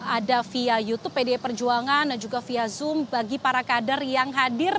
ada via youtube pdi perjuangan dan juga via zoom bagi para kader yang hadir